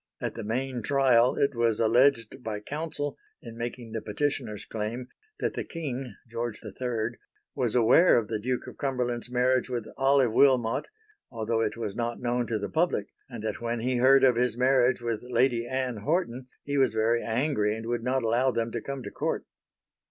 At the main trial it was alleged by Counsel, in making the petitioner's claim, that the King (George III) was aware of the Duke of Cumberland's marriage with Olive Wilmot, although it was not known to the public, and that when he heard of his marriage with Lady Anne Horton he was very angry and would not allow them to come to Court.